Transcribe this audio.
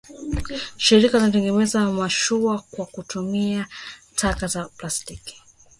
Shirika lilitengeneza mashua kwa kutumia taka za plastiki